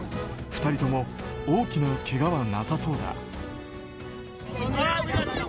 ２人とも大きなけがはなさそうだ。